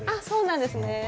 そうなんですね。